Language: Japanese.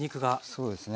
そうですね。